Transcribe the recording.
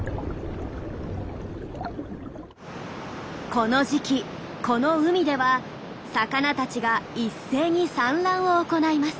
この時期この海では魚たちが一斉に産卵を行います。